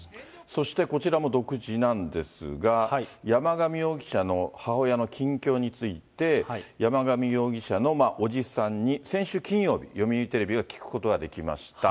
そしてこちらも独自なんですが、山上容疑者の母親の近況について、山上容疑者の伯父さんに、先週金曜日、読売テレビが聞くことができました。